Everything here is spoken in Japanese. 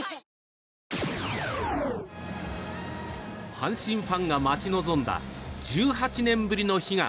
阪神ファンが待ち望んだ１８年ぶりの悲願。